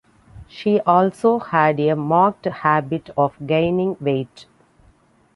She also had a marked habit of gaining weight.